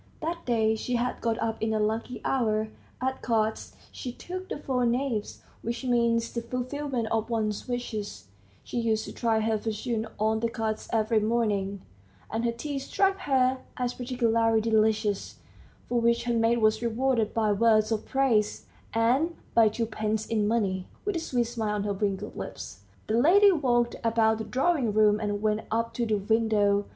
That day she had got up in a lucky hour; at cards she took the four knaves, which means the fulfilment of one's wishes (she used to try her fortune on the cards every morning), and her tea struck her as particularly delicious, for which her maid was rewarded by words of praise, and by twopence in money. With a sweet smile on her wrinkled lips, the lady walked about the drawing room and went up to the window.